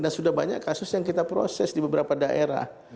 sudah banyak kasus yang kita proses di beberapa daerah